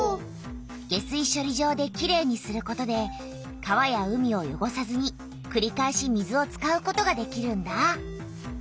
下水しょり場できれいにすることで川や海をよごさずにくりかえし水を使うことができるんだ。